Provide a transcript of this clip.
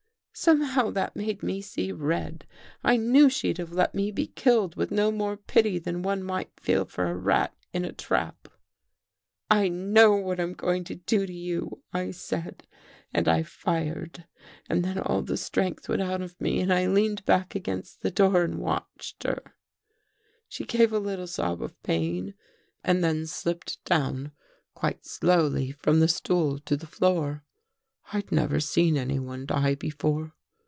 " Somehow that made me see red. I knew she'd 253 THE GHOST GIRL have let me be killed with no more pity than one might feel for a rat in a trap. "' I know what I'm going to do to you,' I said, and I fired. And then all the strength went out of me and I leaned back against the door and watched her. " She gave a little sob of pain and then slipped down quite slowly from the stool to the floor. I'd never seen anyone die before.